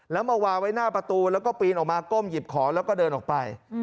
แล้วมาวางไว้หน้าประตูแล้วก็ปีนออกมาก้มหยิบของแล้วก็เดินออกไป